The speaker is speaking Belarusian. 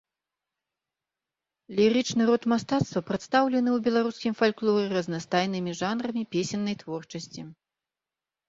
Лірычны род мастацтва прадстаўлены ў беларускім фальклоры разнастайнымі жанрамі песеннай творчасці.